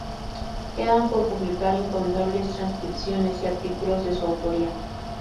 Quedan por publicar incontables transcripciones y artículos de su autoría.